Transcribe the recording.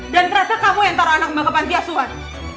dan ternyata kamu yang taruh anak mbak ke pantiasuan